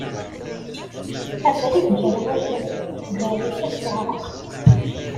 Abrid gar wallen, berrik i t-ẓerreɣ.